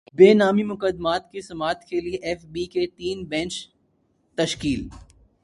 بے نامی مقدمات کی سماعت کیلئے ایف بی کے تین بینچ تشکیل